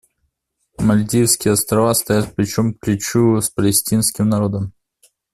Мальдивские Острова стоят плечом к плечу с палестинским народом.